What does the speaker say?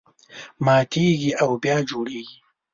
ماتېږي او بیا جوړېږي.